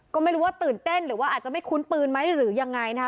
ก็ไม่รู้ว่าตื่นเต้นหรือว่าอาจจะไม่คุ้นปืนไหมหรือยังไงนะคะ